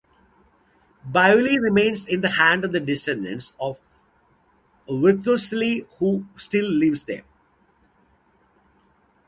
Beaulieu remains in the hands of the descendants of Wriothesley, who still live there.